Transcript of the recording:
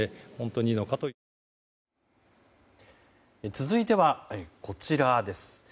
続いてはこちらです。